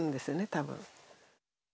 多分。